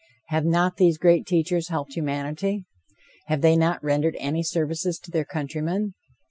Have not these great teachers helped humanity? Have they not rendered any services to their countrymen?